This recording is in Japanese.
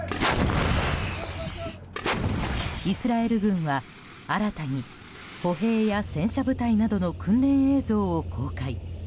イスラエル軍は新たに歩兵や戦車部隊などの訓練映像を公開。